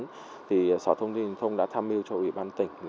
sở thông tin truyền thông đã tham hiu cho ubnd tỉnh